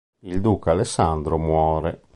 Il duca Alessandro muore.